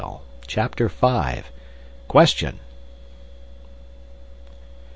CHAPTER V "Question!"